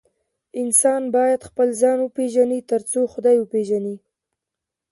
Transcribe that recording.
انسان بايد خپل ځان وپيژني تر څو خداي وپيژني